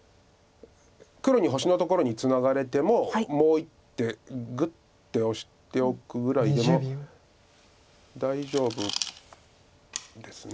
黒に星のところにツナがれてももう一手グッてオシておくぐらいでも大丈夫です。